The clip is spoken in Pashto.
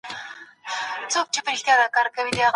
که سړکونه پراخ سي، نو په ترافیک کي ګڼه ګوڼه نه جوړیږي.